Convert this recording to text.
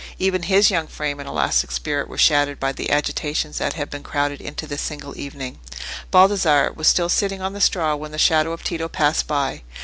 Even his young frame and elastic spirit were shattered by the agitations that had been crowded into this single evening. Baldassarre was still sitting on the straw when the shadow of Tito passed by.